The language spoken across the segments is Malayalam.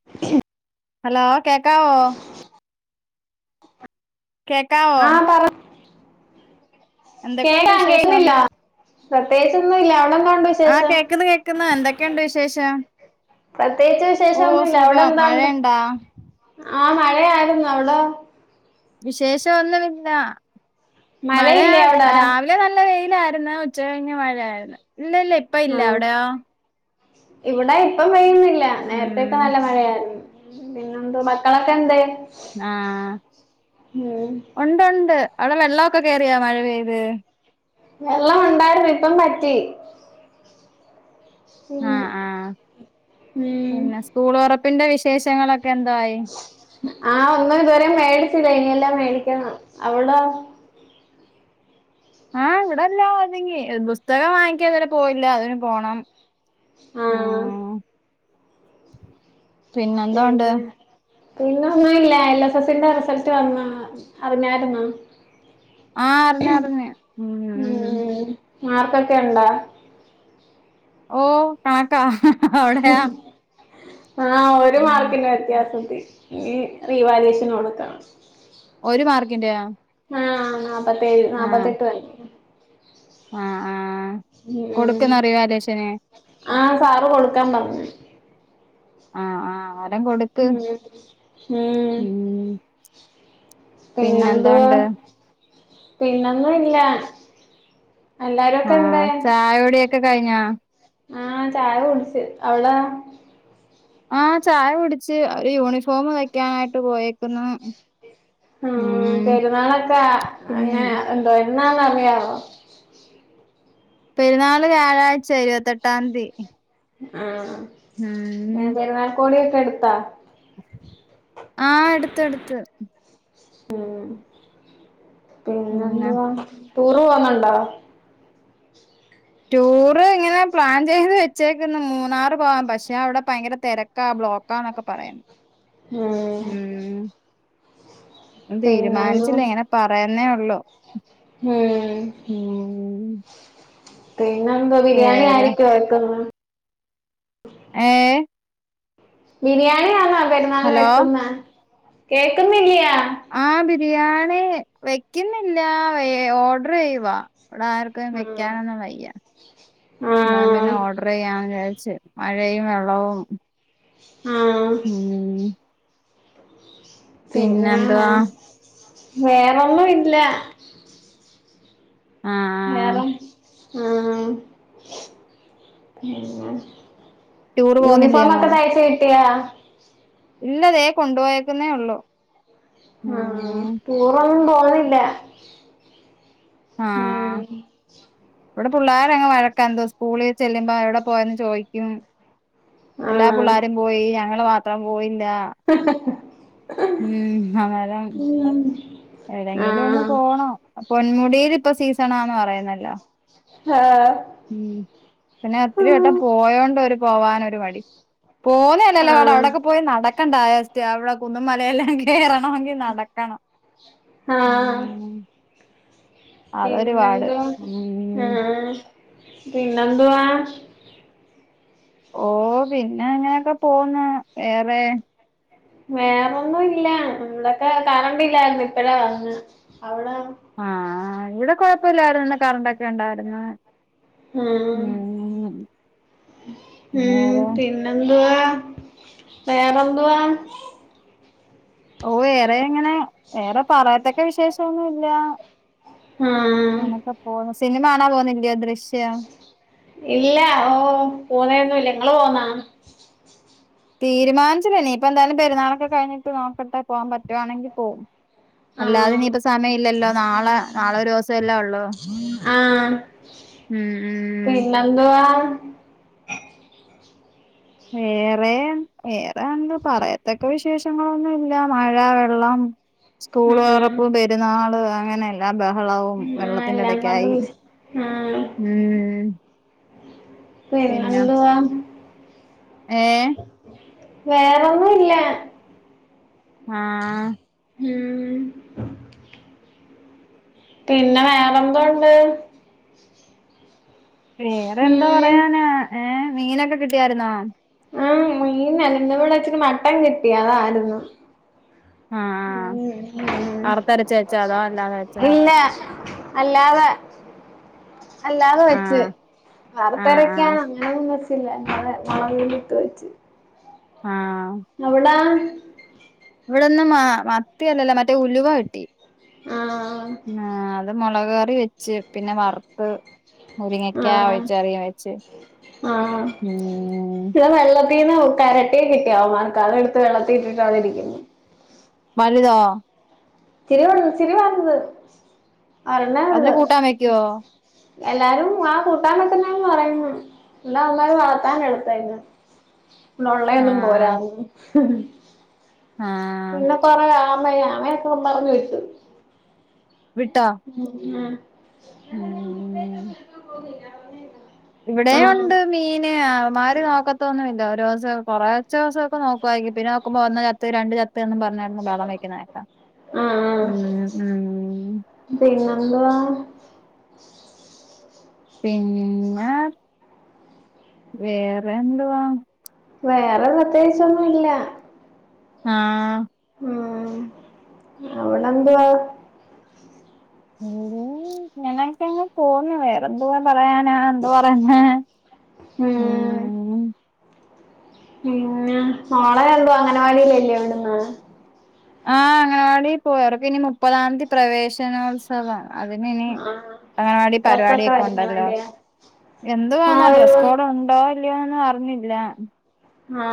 [unintelligible] ഹലോ കേക്കാവോ കേക്കാവോ എന്തൊക്കെയുണ്ട് കേടാ വിശേഷം കേക്ക്‌ണില്ല പ്രത്യേകിച്ചൊന്നും ഇല്ല അവിടെന്താ ഉണ്ട് വിശേഷം ക്കിന്ന് എന്തൊക്കെ ഉണ്ട് വിശേഷം. പ്രത്യേകിച്ച് ഓ വിശേഷന്നൂല്ല അവിടെ സുഖം എന്താണ്ട്. മഴയുണ്ടാ ആ മഴയായിരുന്നു അവിടൊ. വിശേഷ ഒന്നുമില്ല മഴ മഴയില്ലേ അവിടെ [unintelligible] രാവിൽ ഇല്ല നല്ല വെയിലായിര്ന്നു. ഉച്ചകഴിഞ്ഞു മഴ ആയിരുന്നു. ഇല്ല ഇല്ല ഇപ്പ ഇല്ല ആഹ് അവിടെയോ ഇവിടെ ഇപ്പ പെയ്യുന്നില്ല നേര്ത്തൊക്കെ ഉം നല്ല മഴയായിരുന്നു. പിന്നെന്തോ മക്കളൊക്കെ എന്തേ ആഹ് ഉണ്ട് ഉണ്ട് അവിടെ വെള്ളോക്കെ കേയറിയൊ മഴ പെയ്ത്. വെള്ളം ഉണ്ടായിരുന്നു ഇപ്പം വറ്റി പിന്നെ ആഹ് ആഹ് ഉം പിന്നെ സ്കൂൾ തൊറപ്പിൻ്റെ വിശേഷങ്ങളൊക്കെ എന്തായി. ആഹ് ഒന്നും ഇതുവരെ മേടിച്ചില്ല. ഇനിയെല്ലാം മേടിക്കണം അവ്ടെ. ആഹ് ഇവിടെ എല്ലാം ഒതുങ്ങി. പുസ്തകം വാങ്ങിക്കാന് ഇതരെ പോയില്ല. അതിന് പോണം. ആഹ് ഉം പിന്നെന്താ ഉണ്ട്. പിന്ന ഒന്നൂല്ല. എൽ എസ് എസിന്റെ റിസൾട്ട് വന്നു അറിഞ്ഞാരുന്നൊ. ആഹ് അറിഞ്ഞാര്ന്നേ. ഉം ഉം മാർക്കൊക്കെ ഉണ്ടാ. ഓ കണക്കാ ഔടെയൊ. ആഹ് ഒരു മാർക്കിന്റെ വ്യത്യാസത്തി റി റീവാലുവേഷൻ കൊടുക്കണം. ഒരു മാർക്കിന്റെയാ ആഹ് നാപ്പത്തേഴ് ആഹ് നാപ്പത്തെട്ട് [unintelligible] ആഹ് ആഹ് ഉം കൊടുക്കുന്നോ റിവാലേഷന് ആഹ് സാറ് കൊടുക്കാൻ പറന്നു ആഹ് ആഹ് അരം കൊടുക് ഉം ഉം പിന്നെന്തുവാ പിന്നെന്തോണ്ട് പിന്നൊന്നും ഇല്ല എല്ലാരും ഒക്കെ എന്തേ ആഹ് ചായകുടിയൊക്കെ കഴിഞ്ഞാ ആഹ് ചായ കുടിച്ച്, അവിടാ? ആഹ് ചായ കുടിച്ച്, യൂണിഫോം തയ്ക്കാനായിട്ട് പോയേക്കുന്നു ഹൂം ഉം പെരുന്നാളൊക്ക പിന്നെ അങ്ങന എന്തോ എന്നാന്നറിയാവോ? പെരുന്നാള് വ്യാഴാഴ്ച ഇരുപത്തെട്ടാം തീ ആഹ് ഉം പെരുന്നാൾ കോടിയൊക്കെ എടുത്താ ആഹ് എടുത്ത് എടുത്ത് ഉം പിന്നെ പിന്നെന്തുവാ ടൂറ് പോവുന്നുണ്ടോ ടൂറ് ഇങ്ങനെ പ്ലാൻ ചെയ്ത് വെച്ചേക്കന്ന് മൂന്നാറ് പോവാൻ പക്ഷെ അവിടെ ഭയങ്കര തെര ക്കാ ബ്ലോക്കാന്നൊക്കെ പറയുന്നു ഉം ഉം ന്നും പിന്നെന്തുവാ തീരുമാനിച്ചില്ല, ഇങ്ങനെ പറയുന്നേ ഉള്ളു ഉം ഉം പിന്നെന്താ ബിരിയാണി വേറെ ആയിരിക്കുവോ വക്കുന്നേ ഏഹ് ബിരിയാണിയാന്നോ പെരുന്നാളിന് ഹലോ വെക്കുന്ന. കേക്കുന്നില്യാ ആഹ് ബിരിയാണി വെക്കുന്നില്ല വേ ഓർഡർ ചെയ്യുവാ ഇവിടെ ആർ ക്കും ആഹ് വെക്കാനൊന്നും വയ്യ ഞാൻ ആഹ് പിന്നെ ഓർഡർ ചെയ്യാന്ന് വിചാരിച്ച്, മഴയും വെള്ളവും ആഹ് ഉം പിന്നെ പിന്നെന്തുവാ വേറൊന്നും ഇല്ല ആഹ് വേറൊന്നും ആഹ് പിന്നെ ടൂറ് പോകുന്നില്ലേ യൂണിഫോമൊക്കെ എങ്ങും തയ്ച്ച് കിട്ടിയാ ഇല്ല ദേ കൊണ്ടുപോയേക്കുന്നേ ഉള്ളു ആഹ് റ്റൂറൊന്നും പോകുന്നില്ല ആഹ് ഇവിടെ പിള്ളോരങ് വഴക്കാ എന്തോ സ്കൂളിൽ ചെല്ലുമ്പോ എവിടെ പോയന്ന് ചോദിക്കും എല്ലാ പിള്ളാരും പോയി, ഞങ്ങള് മാത്രം പോയില്ല ശ ശ ഉം അന്നേരം ഏടെങ്കിലും ഒന്ന് പോണം, പൊന്മുടിൽ ഇപ്പൊ സീസണാന്ന് പറയുന്നല്ലോ ആഹ് ഉം പിന്നെ ഒത്തിരി വട്ടം പോയോണ്ട് ഒരു പോവാനൊരു മടി. പോ വലല്ലല്ലോ പാട്, അവടക്കെ പോയി നടക്കണ്ടായോ സ്റ്റ അവിടെ കുന്നും മലയെല്ലാം കേറണെങ്കിൽ നടക്കണം ഉം അതൊരു പാട് പിന്നെന്തോ ഉം ആഹ് പിന്നെന്തുവാ ഓഹ് പിന്നെ ങ്ങനെയൊക്കെ പോന്ന് വേറെ വേറൊന്നുംല്ല ഇവിടൊക്കെ കറണ്ട് ഇല്ലായിരുന്നു ഇപ്പഴാ വന്നെ, അവടോ ആഹ് ഇവിടെ കൊഴപ്പില്ലാർന്നു കറണ്ടൊക്കെണ്ടായിരുന്നു ഉം ഉം വേറെ പിന്ന ന്തുവാ വേറെന്തുവാ ഓഹ് ഏറെങ്ങനെ വേറെ പറയത്തക്ക വിശേഷമൊന്നുല്ല ആഹ് പോണു. സിനിമ കാണാൻ പോകുന്നില്ലയോ ദൃശ്യം ഇല്ല ഓ പോണേന്നും ഇല്ല നിങ്ങള് പോന്നാ തീരുമാനിച്ചില്ല നീയിപ്പന്തായാലും പെുരുന്നാളൊക്കെ കഴിഞ്ഞിട്ട് നോക്കട്ടെ പോവാൻ പറ്റുവാണെങ്കിൽ പോവും ആഹ് അല്ലാതെയിനിപ്പ സമയമില്ലല്ലോ നാളെ നാളെ ഒരീസല്ലേയൊള്ളു ആഹ് ഉം ഉം പിന്നെന്തുവാ വേറേം വേറെയൊന്ന് പറയത്തക്ക വിശേഷങ്ങളൊന്നുമില്ല മഴ വെള്ളം ഉം സ്കൂളുതൊറപ്പ് പെരുന്നാള് അങ്ങനായി എല്ലാ ബഹളവും ആ എല്ലാം വെള്ളത്തിന്റെടക്കായി കൊണ്ടും ആ ഉം പിന്നെ പിന്നെന്തുവാ ഏ വേറൊന്നുമില്ലാ ആ ഉം പിന്നെ വേറെന്തോണ്ട് വേറെന്തോ ഉം പറയാന ഏ മീനൊക്കെ കിട്ടിയാരുന്നോ ആ മീനല്ല ഇവിടെച്ചിരി മട്ടൻ കിട്ടി അതാരുന്നു ആ ആ വറുത്തരച്ച് വെച്ചോ അതോ അല്ലാതെ വെച്ചോ അല്ലാ അല്ലാതെ അല്ലാതെ ആ വെച്ച് ആ ആ വറുത്തരക്കാൻ ഞാനൊന്നും വെച്ചില്ല അല്ലാതെ മൊളകുപൊടിയിട്ടു വച്ച് ആം എവിടാ ഇവിടൊന്നും മ മത്തിയല്ലല്ലോ മറ്റേ ഉലുവ കിട്ടി ആ ആ അത് മൊളകുകറി വെച്ച് പിന്നെ വറുത്ത് മുരിങ്ങക്കാ ആ വെച്ചുകറിയും വെച്ച് ഊം ട്ടീന്ന് കരട്ടിയെ കിട്ടി അവന്മാർക്ക് അതെടുത്ത് വെള്ളത്തിലിട്ടിട്ടാണ് ഇരിക്കുന്നത് വലുതോ ച്ചിരിവലുത് ച്ചിരിവലുത് അതിന് ഒരെണ്ണെയൊള്ളു കൂട്ടാൻ വെക്കുവോ എല്ലാരും ആ കൂട്ടാൻ വെക്കുന്നേന്നു പറയുന്നു എല്ലാം അവന്മാര് വളത്താൻ എടുത്തായിരുന്നു ആ ഇവിടെയോള്ളയൊന്നും പോരാന്ന് ആ പിന്നെ കൊറേ ആമയും ആമയൊക്കെ കൊണ്ടുനടന്നു വിട്ടു വിട്ടോ [unintelligible] ഉം ഇവിടേം ആഹ് ഒണ്ട് മീന് അവമ്മാര് നോക്കത്തൊന്നുമില്ല ഒരോസം കൊറച്ചു ദിവസൊക്കെ നോക്കാരിക്കും പിന്നെ നോക്കുമ്പോ ഒന്ന് ചത്ത് രണ്ട് ചത്ത് ചത്തുവെന്നും പറഞ്ഞുകെടന്നു ബഹളം വെക്കുന്നകേക്കാം ആഹ് ആഹ് ഉം ഉം പിന്നെന്തുവാ പിന്നെ വേറെന്തുവാ വേറെ പ്രത്യേകിച്ചൊന്നുമില്ലാ ആ ഉം അവിടെന്തുവാ ഞങ്ങളൊക്കെ അങ്ങു പോന്നു വെയർ എന്തുവാ പറയാനാ എന്തു പറയുന്നേ ഉം പിന്നെ മോളേഎന്തോ അംഗനവാടിയില്ലല്ലേ വിടുന്നേ ആ അംഗനവാടിപ്പോയി അവർക്കിനി മുപ്പതാം തീയതി പ്രവേശനോത്സ ത്സവം അതിനിനി ആഹ് അംഗനവാടി ഡ്രസ്സൊക്കെ പരിപാടിയൊക്കെ ഒണ്ടല്ലോ? മേടിക്കണല്ലേ ആഹ് എന്തുവേനം ഒരു ഡ്രസ്സ് കോഡ് ഉണ്ടോ ഇല്ലയോനൊന്നു അറിഞ്ഞില്ല. ഹാ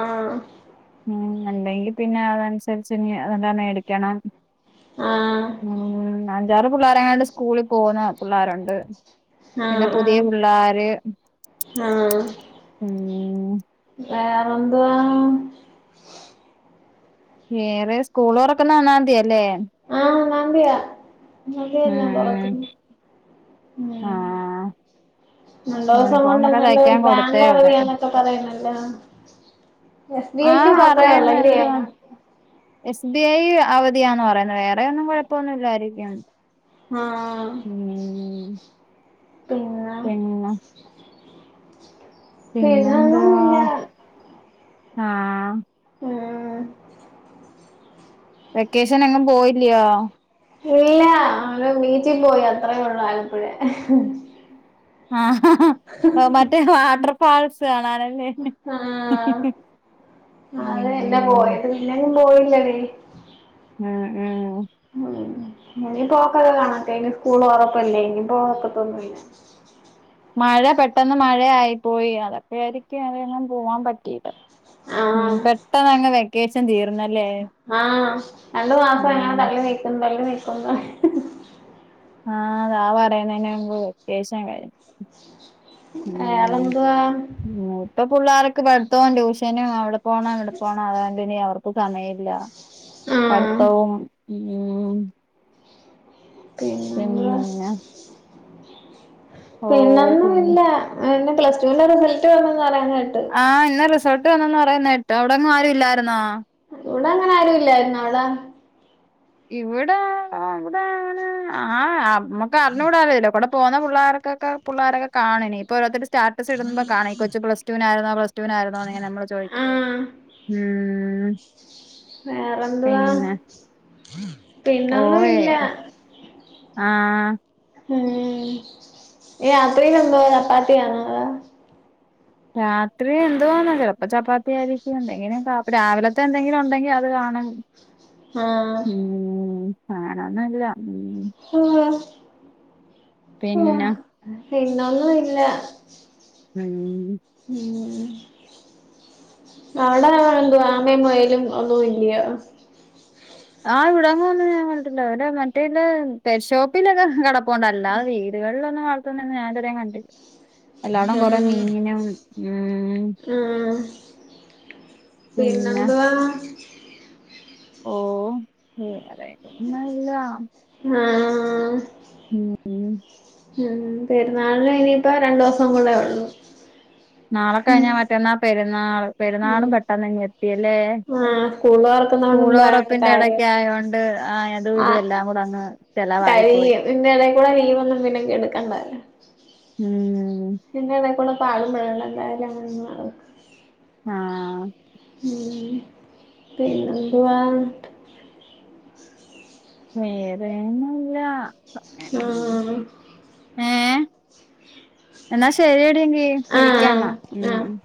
ഉം. ഉണ്ടങ്കിപിന്നെ അതനുസരിച്ച് ഇനി അതെല്ലാം മേടിക്കണം. ആഹ് ഉം അഞ്ചാറ് പിള്ളോരങ്ങാട്ട് സ്കൂളിൽ പോകുന്ന പിള്ളേരുണ്ട്. പിന്നെ ആഹ് ആഹ് പുതിയ പിള്ളോര്. ഉം വേറെന്താ വേറെ സ്കൂൾ തുറക്കുന്ന ഒന്നാന്തിയല്ലേ? ആ ഒന്നാന്തിയാ ഒന്നാന്തി തന്നാ ഉം തുറക്കുന്നേ. ഉം. ആഹ് രണ്ടു ദിവസം കൊണ്ട് യൂണിഫോം ഒക്കെ എങ്ങാണ്ട് തയ്ക്കാൻ ബാങ്ക് കൊടുത്തേ ഉള്ളൂ അവധിയാണന്ന് ഒക്കെ പറയുന്നല്ലോ? എസ് ബി ഐക്ക് ആഹ് മാത്രമേ പറയുന്ന ഉള്ളല്ലേ? എന്തുവാ എസ് ബി ഐ അവധി യാന്ന് പറയുന്നത് വേറെ ഒന്നും കുഴപ്പമൊന്നുമില്ലായിരിക്കും. ആഹ്പിന്നെ പിന്നെ പിന്നെന്താ പിന്നൊന്നുമില്ല ആഹ് ആ വെക്കേഷൻ എങ്ങുപോയില്ലയോ? ഇല്ല ഒരു ബീച്ചി പോയി അത്രേ ഉള്ളൂ ആലപ്പുഴേ. ആ ഹാ ഹാ മറ്റേ വാട്ടർ പാള്സ് കാണാനല്ലേ? ആഹ് ഹ്ഹ് എല്ലാരും പോയില്ലടി ഉം ഉം ഇനി പോക്കൊക്കെ കണക്കാ ഇനി സ്കൂള് തൊറപ്പല്ലേ ഇനി പോവാൻ ഒക്കത്തെന്നുമില്ല. മഴ പെട്ടെന്ന് മഴയായിപോയി അതൊക്കെ ആയിരിക്കും അതെങ്ങും പോവാൻ പറ്റിയില്ല. ഉം ആഹ് പെട്ടെന്ന് അങ് വെക്കേഷൻ തീർന്നല്ലേ? ആഹ് രണ്ടു മാസം ഉം എങ്ങനെ തള്ളി നീക്കുതള്ളി നീക്കുന്ന് പറഞ്ഞ് ആഹ് ദാ പറയുന്നെ മുമ്പ് വൈക്കേഷൻ കഴിഞ്ഞു. ഉം വേറെന്തുവാ? ഉം ഇപ്പൊ പിള്ളോർക്ക്പഠിത്തവും ട്യൂഷനും അവിടെ പോണം ഇവിടെ പോണം അത് കൊണ്ട്നി അവർക്ക് സമയമല്ല. ആഹ് പഠത്തവും ഉം പിന്നെ ഓ പിന്നൊന്നും പിന്നെ ഇല്ല പ്ലസ് ടുവിന്റെ റിസൾട്ട് വന്നന്ന് പറയുന്ന കേട്ട് ആഹ് ഇന്ന് റിസർട്ട് വന്നന്ന് പറയുന്ന കേട്ട് അവിടങ്ങും ആരും ഇല്ലായിരുന്നോ? ഇവിടെ അങ്ങനെ ആരു ഇല്ലായിരുന്നു. അവിടെ? ഇവിടെ ഇവിടാണ് ആ നമ്മക്ക് അറിഞ്ഞുടാലല്ലോ ഇവി പോകുന്ന പിള്ളേൊക്കൊക്കെ പിള്ളോരൊക്കെ കാണും. ഇനി ഇപ്പോ ഓരോരുത്തര് സ്റ്റാറ്റസ് ഇടുമ്പോൾ കാണാം. ഈ കൊച്ച് പ്ലസ് ടുവിനാരുന്നോപ്ലസ് ടുവിനായിരുന്നോ എന്ന് നമ്മൾ ചോദിക്കും. ആഹ് ഉം വേറെന്തുവാ? പിന്നൊന്നും ഇല്ല ഓയർ ആഹ് ഉം രാത്രിയിലെന്തു വാചപ്പാത്തിയാണോ? അതോ? രാത്രി എന്തുവാന്നോ ചെപ്പപ്പോ ചപ്പാത്തി അയിരിക്കുംഎന്തെങ്കിലും കാ ഇപ്പ രാവിലത്തെ എന്തെങ്കിലും ഉണ്ടെങ്കിൽ അത് കാണും ആഹ് ഉം അങ്ങനൊന്നുല്ല ഉം ആഹ് ഹാ പിന്നെ പിന്നൊന്നൂല്യ ഉം ഉം അവിടെ ആരണ്ട് ആമയും മുയലും ഒന്നുംല്യ ആഹ് ഇവിടെ ഒന്നും ഞാൻ കണ്ടിട്ടില്ല അവര് മറ്റേല് [unintelligible] ലൊക്കെ കട അതൊണ്ട് അല്ലാതെ വീടുകളിലൊന്നും വളർത്തുന്നന്ന് ഞാൻഇതുവരെകണ്ടില്ല എല്ലാടവും കൊറെ മീനും ഉം ഉം പിന്നെ പിന്നെന്താ ഓഹ് [unintelligible] ന്നല്ല ആഹ് ഉം ഉം ഉം പെരുന്നാൾന് ഇനിയിപ്പ രണ്ടു ദിവസം കൂടെ ഒള്ളൂ നാളെക്കഴിഞ്ഞാ മറ്റന്നാ പെരുന്നാള് പെരുന്നാളും ഉം പെട്ടെന്നിങ്ങെത്തിയല്ലേ ആഹ് സ്കൂള് തുറക്കുന്നോണ്ട് സ്കൂള് മുമ്പായോണ്ട് തുറപ്പിന്റെ കാര്യം ഇടക്കായോണ്ട് ആഹ് എ തും ഇതും ആഹ് എല്ലാം കൂടെ അങ്ങ് ചെലവായി പോയി കഴിയും ഇതിന്റെ ഇടയിൽ കൂടെ ലീവൊന്നും പിന്നെ ഉം പിന്നെടേക്കൂടെ പാലും പഴും എന്തായാലും [unintelligible] ആഹ് ഉം പിന്നെന്തുവാ വേറേന്നുല്ല [unintelligible] ആഹ് ഏഹ് എന്നാ ശരിയെടീ എങ്കി വിളിക്കാംന്നാ ആഹ് ഉം ആഹ് ഉം